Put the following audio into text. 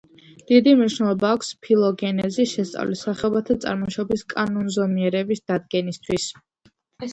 დიდი მნიშვნელობა აქვს ფილოგენეზის შესწავლას სახეობათა წარმოშობის კანონზომიერების დადგენისთვის.